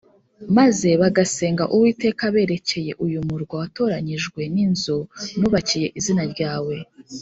maze bagasenga Uwiteka berekeye uyu murwa watoranyije n’inzu nubakiye izina ryawe,